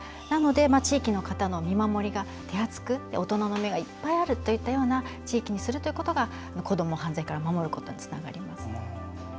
なので地域の方の見守りが手厚く大人の目がいっぱいあるという地域にすることが子どもを犯罪から守ることにつながります。